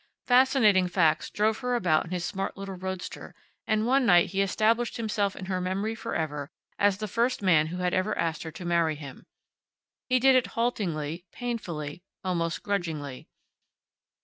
Fascinating Facts drove her about in his smart little roadster and one night he established himself in her memory forever as the first man who had ever asked her to marry him. He did it haltingly, painfully, almost grudgingly.